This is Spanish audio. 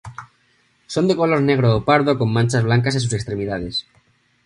Son de color negro o pardo con manchas blancas en sus extremidades.